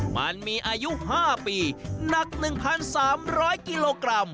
มันมีอายุ๕ปีหนัก๑๓๐๐กิโลกรัม